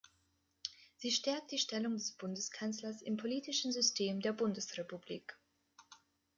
Sie stärkt die Stellung des Bundeskanzlers im politischen System der Bundesrepublik.